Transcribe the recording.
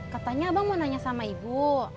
katanya abang mau nanya sama ibu